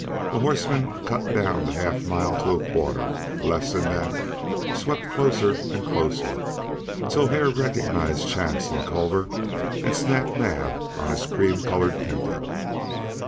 The horsemen cut down the half mile to a quarter, lessened that, swept closer and closer, till Hare recognized Chance and Culver, and Snap Naab on his cream colored pinto.